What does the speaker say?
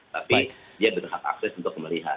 tapi dia berhak akses untuk melihat